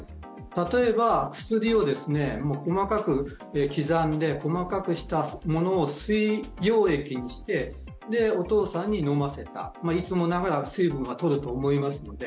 例えば、薬を細かく刻んで細かくしたものを水溶液にして、お父さんに飲ませたいつもながら水分はとるとはおもいますので。